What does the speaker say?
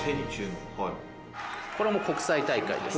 これも国際大会です。